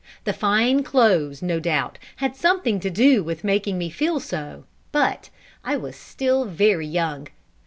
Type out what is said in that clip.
The fine clothes, no doubt, had something to do with making me feel so, but I was still very young.